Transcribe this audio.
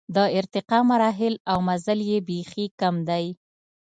د ارتقا مراحل او مزل یې بېخي کم دی.